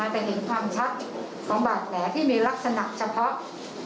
เป็นเห็นความชัดของบาดแผลที่มีลักษณะเฉพาะ